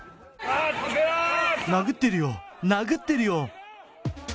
殴ってるよ、殴ってるよ。